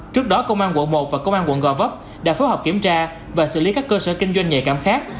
trước đó công an quận một và công an quận gò vấp đã phối hợp kiểm tra và xử lý các cơ sở kinh doanh nhạy cảm khác